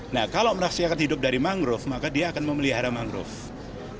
nah kalau merasakan hidup dari mangrove maka dia akan memelihara mangrove